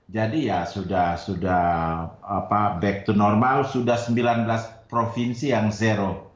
jadi ya sudah back to normal sudah sembilan belas provinsi yang zero